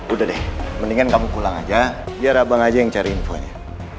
udah deh mendingan kamu pulang aja biar abang aja yang cari infonya